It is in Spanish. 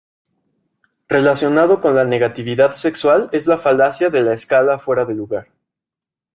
Relacionado con la negatividad sexual es la falacia de la escala fuera de lugar.